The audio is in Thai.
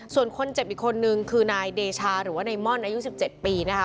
ส่วนคนเจ็บอีกคนนึงคือนายเดชาหรือว่าในม่อนอายุ๑๗ปีนะคะ